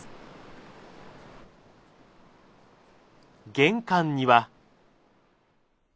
玄関には。